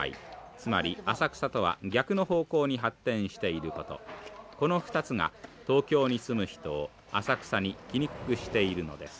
つまり浅草とは逆の方向に発展していることこの２つが東京に住む人を浅草に来にくくしているのです。